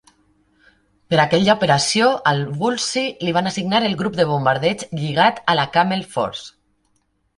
Per aquella operació, al Woolsey li van assignar el grup de bombardeig lligat a la Camel Force.